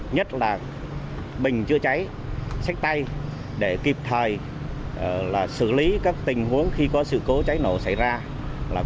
nhất là bình chữa cháy sách tay để kịp thời xử lý các tình huống khi có sự cố cháy nổ xảy ra